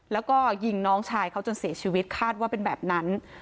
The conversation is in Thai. แล้วก็ยิงน้องชายเขาจนเสียชีวิตคาดว่าเป็นแบบนั้น